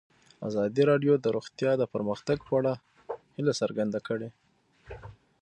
ازادي راډیو د روغتیا د پرمختګ په اړه هیله څرګنده کړې.